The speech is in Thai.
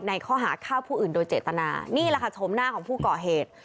ในข้อหาฆ่าผู้อื่นโดยเจตนานี่แหละค่ะชมหน้าของผู้ก่อเหตุ